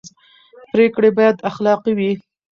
پرېکړې باید اخلاقي وي